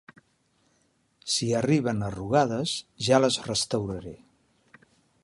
Si arriben arrugades, ja les restauraré.